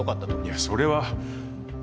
いやそれは。